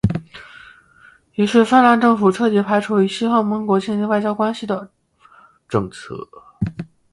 于是芬兰政府彻底排除与西方盟国建立外交关系的政策。